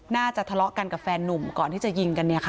น่าจะทะเลาะกันกับแฟนนุ่มก่อนที่จะยิงกันเนี่ยค่ะ